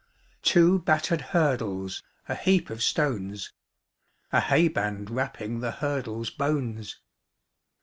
Two battered hurdles, A heap of stones, A hayband wrapping The hurdles' bones.